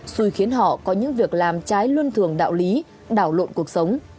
xui khiến họ có những việc làm trái luân thường đạo lý đảo lộn cuộc sống